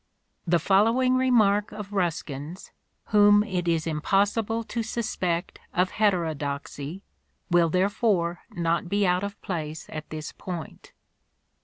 The following remark of Ruskin's, whom it is impossible to suspect of " heterodoxy," will therefore not be out of place at this point.